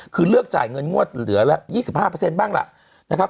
คือเลือกจ่ายเงินงวดเหลือละ๒๕บ้างล่ะนะครับ